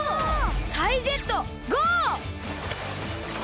タイジェットゴー！